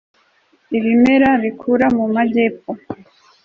ibimera bikura mu majyepfo